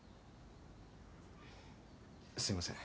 すいません。